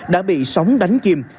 đã bị sóng đánh kìm